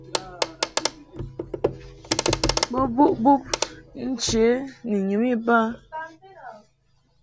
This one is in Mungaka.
Bo buʼ bub nche ni nyum iba.